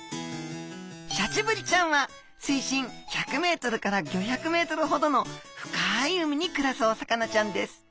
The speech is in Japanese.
シャチブリちゃんは水深１００ｍから５００ｍほどの深い海に暮らすお魚ちゃんです。